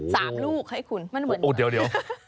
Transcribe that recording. ลูกให้คุณมันเหมือนโอ้เดี๋ยว